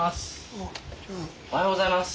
おはようございます。